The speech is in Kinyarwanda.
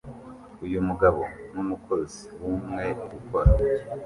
Uyu mugabo numukozi wubumwe ukora